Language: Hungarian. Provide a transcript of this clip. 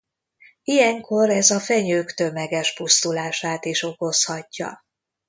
Ilyenkor ez a fenyők tömeges pusztulását is okozhatja.